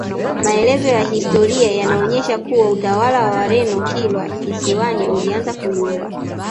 Maelezo ya historia yanaonyesha kuwa utawala wa Wareno Kilwa kisiwani ulianza kuyumba